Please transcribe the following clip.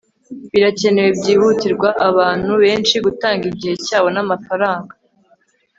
birakenewe byihutirwa abantu benshi gutanga igihe cyabo namafaranga